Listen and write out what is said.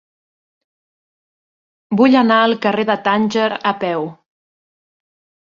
Vull anar al carrer de Tànger a peu.